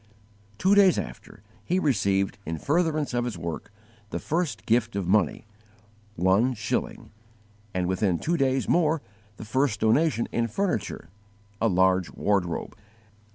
_ Two days after, he received, in furtherance of his work, the first gift of money one shilling and within two days more the first donation in furniture a large wardrobe.